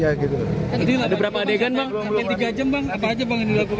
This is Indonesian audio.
yang tadi dimasukin ke mobil